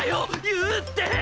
言うって！